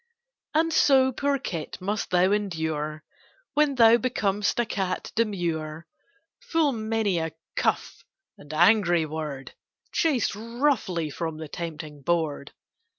And so, poor kit! must thou endure, When thou becom'st a cat demure, Full many a cuff and angry word, Chased roughly from the tempting board.